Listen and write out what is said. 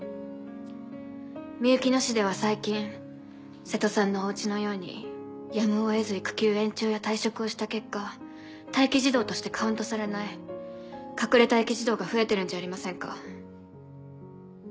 みゆきの市では最近瀬戸さんのお家のようにやむを得ず育休延長や退職をした結果待機児童としてカウントされない隠れ待機児童が増えてるんじゃありませんか？